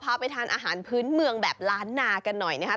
พาไปทานอาหารพื้นเมืองแบบล้านนากันหน่อยนะครับ